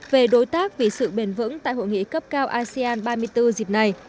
về đối tác vì sự bền vững tại hội nghị cấp cao asean ba mươi bốn dịp này